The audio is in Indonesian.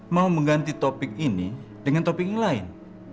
mau mengganti topik ini dengan topik yang lain